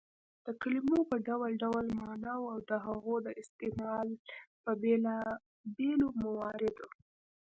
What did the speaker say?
د کلیمو په ډول ډول ماناوو او د هغو د استعمال په بېلابيلو مواردو